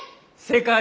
正解！